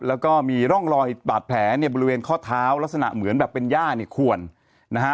แล้วก็มีร่องรอยบาดแผลเนี่ยบริเวณข้อเท้าลักษณะเหมือนแบบเป็นย่าเนี่ยควรนะฮะ